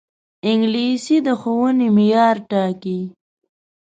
انګلیسي د ښوونې معیار ټاکي